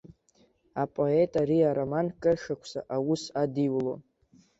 Апоет ари ароман кыршықәса аус адиулон.